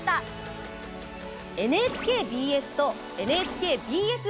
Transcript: ＮＨＫＢＳとＮＨＫＢＳ